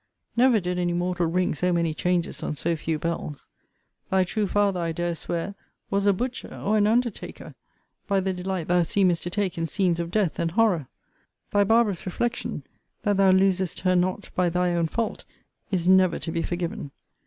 Never did any mortal ring so many changes on so few bells. Thy true father, I dare swear, was a butcher, or an undertaker, by the delight thou seemest to take in scenes of death and horror. Thy barbarous reflection, that thou losest her not by thy own fault, is never to be forgiven.